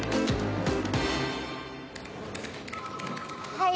はい。